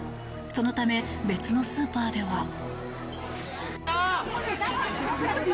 そのため、別のスーパーでは。